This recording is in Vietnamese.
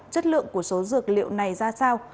chất lượng của số dược liệu này ra sao